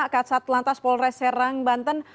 kasat lantas polres serang banten